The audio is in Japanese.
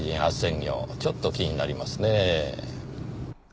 ちょっと気になりますねぇ。